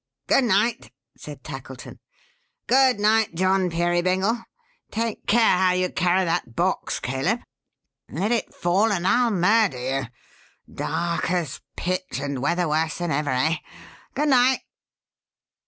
"Good night," said Tackleton. "Good night, John Peerybingle! Take care how you carry that box, Caleb. Let it fall, and I'll murder you! Dark as pitch, and weather worse than ever, eh? Good night!"